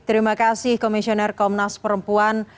terima kasih komisioner komnas perempuan